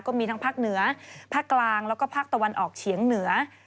ก็มีทั้งภาคเหนือภาคกลางแล้วก็ภาคตะวันออกเฉียงเหนือ